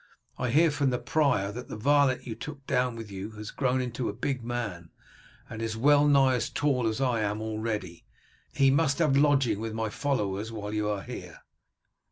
I hear from the prior that the varlet you took down with you has grown into a big man, and is well nigh as tall as I am already. He must have lodging with my followers while you are here."